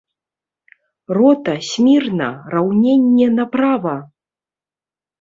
Рота, смірна, раўненне направа!